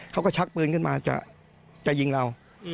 ชักปืนขึ้นมาจะยิงเรา